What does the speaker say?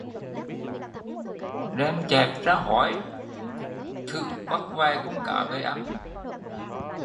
Đem chẹp ra hói thử bắt vài con cá về ăn